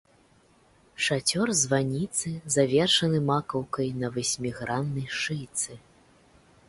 Шацёр званіцы завершаны макаўкай на васьміграннай шыйцы.